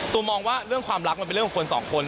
มองว่าเรื่องความรักมันเป็นเรื่องของคนสองคน